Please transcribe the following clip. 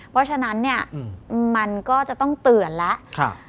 เพราะฉะนั้นเนี่ยมันก็จะต้องเตือนแล้ว